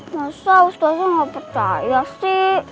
masa ustazah gak percaya sih